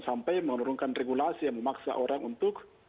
sampai menurunkan regulasi yang memaksa orang untuk